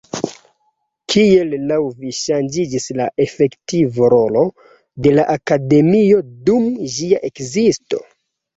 Kiel laŭ vi ŝanĝiĝis la efektiva rolo de la Akademio dum ĝia ekzisto?